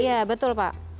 iya betul pak